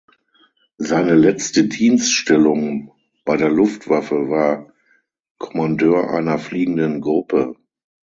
Seine letzte Dienststellung bei der Luftwaffe war Kommandeur einer Fliegenden Gruppe.